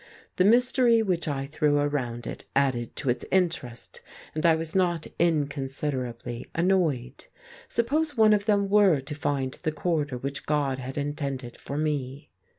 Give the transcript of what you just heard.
The mystery which I threw around it added to its interest, and I was not inconsiderably annoyed. Suppose one of them were to find the quarter which God had intended for me?